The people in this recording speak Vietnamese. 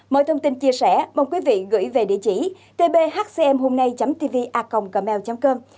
mọi thông tin chia sẻ mong quý vị gửi về địa chỉ tbhcmhungnay tvacom com